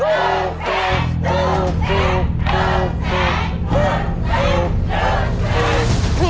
ขอบคุณครับ